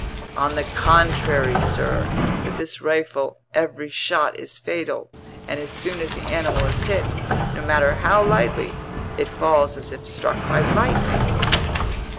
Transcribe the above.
"On the contrary, sir, with this rifle every shot is fatal; and as soon as the animal is hit, no matter how lightly, it falls as if struck by lightning."